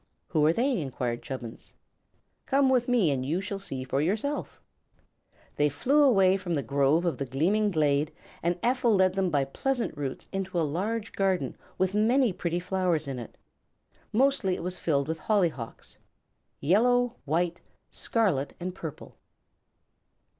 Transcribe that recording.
"Who are they?" enquired Chubbins. "Come with me, and you shall see for yourselves." They flew away from the grove of the Gleaming Glade and Ephel led them by pleasant routes into a large garden with many pretty flowers in it. Mostly it was filled with hollyhocks yellow, white, scarlet and purple.